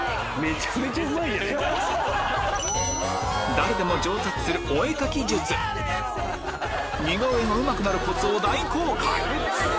誰でも上達するお絵描き術似顔絵がうまくなるコツを大公開！